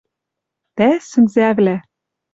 Тӓ, сӹнзӓвлӓ